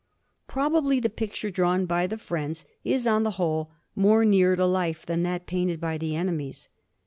Probably the picture drawn by the friends is on the whole more near to life than that painted by the enemies.